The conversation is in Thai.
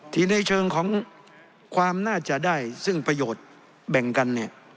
ในเชิงของความน่าจะได้ซึ่งประโยชน์แบ่งกันเนี่ย